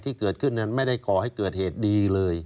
ที่เกิดขึ้นนั้นไม่ได้ก่อให้เกิดเหตุดีเลย